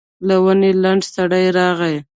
له ونې لنډ سړی راغی.